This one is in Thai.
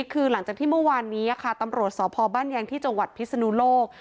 คือหลังจากที่เมื่อวานนี้ค่ะตำรวจสพบ้านแยงที่จังหวัดพิศนุโลก